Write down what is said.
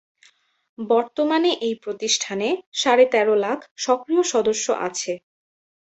বর্তমানে এই প্রতিষ্ঠানে সাড়ে তেরো লাখ সক্রিয় সদস্য আছে।